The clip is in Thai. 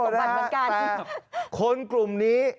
นั่นก็สมบัติเหมือนกัน